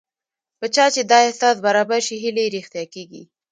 په چا چې دا احساس برابر شي هیلې یې رښتیا کېږي